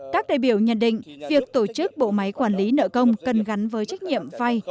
các đại biểu nhận định việc tổ chức bộ máy quản lý nợ công cần gắn với trách nhiệm vay